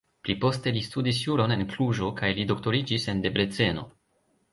Pli poste li studis juron en Kluĵo kaj li doktoriĝis en Debreceno.